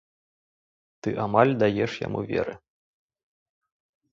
Ты амаль даеш яму веры.